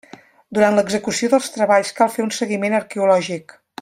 Durant l'execució dels treballs cal fer un seguiment arqueològic.